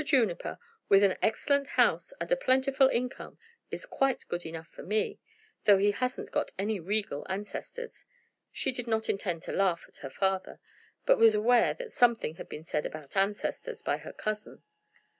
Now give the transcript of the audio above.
Juniper, with an excellent house and a plentiful income, is quite good enough for me, though he hasn't got any regal ancestors." She did not intend to laugh at her father, but was aware that something had been said about ancestors by her cousin.